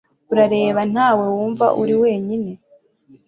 urareba ntawe wumva uri wenyine